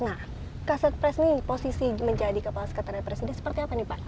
nah kaset pres ini posisi menjadi kepala sekretariat presiden seperti apa nih pak